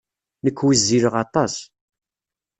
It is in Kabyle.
Nekk wezzileɣ aṭas.